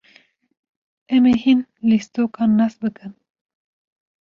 Em ê hin lîstokan nas bikin.